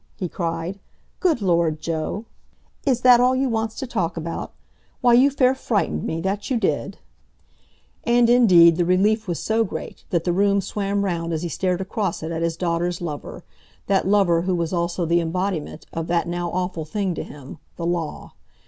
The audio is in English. he cried. "Good Lord, Joe! Is that all you wants to talk about? Why, you fair frightened me—that you did!" And, indeed, the relief was so great that the room swam round as he stared across it at his daughter's lover, that lover who was also the embodiment of that now awful thing to him, the law.